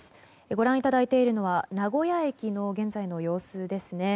ご覧いただいているのは名古屋駅の現在の様子ですね。